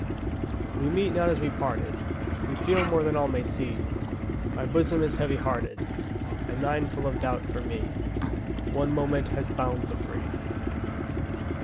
We meet not as we parted, We feel more than all may see; My bosom is heavy hearted, And thine full of doubt for me: One moment has bound the free.